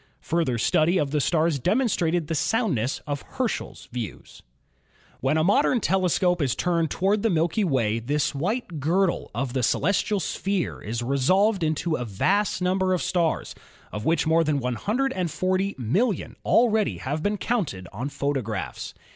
Further study of the stars demonstrated the soundness of Herschel's views. When a modern telescope is turned toward the Milky Way this white girdle of the celestial sphere is resolved into a vast number of stars of which more than 140,000,000 already have been counted on photographs.